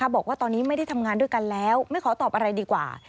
บอกว่าตอนนี้ไม่ได้ทำงานด้วยกันแล้วไม่ขอตอบอะไรดีกว่า